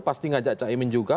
pasti ngajak cak imin juga